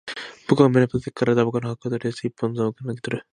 僕は胸ポケットから煙草の箱を取り出し、一本煙草を抜き取る